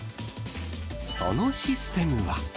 そのシステムは。